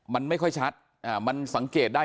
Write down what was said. มันไม่ค่อยชัดมันสังเกตได้